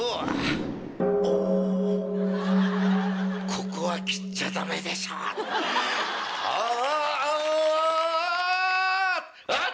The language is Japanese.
ここは切っちゃダメでしょ。ハァアアッ！